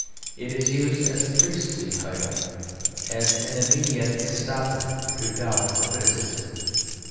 It is used as a priestly title, as an immediate estopper to doubt or criticism.